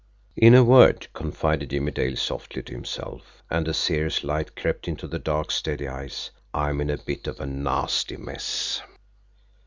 "In a word," confided Jimmie Dale softly to himself, and a serious light crept into the dark, steady eyes, "I'm in a bit of a nasty mess!"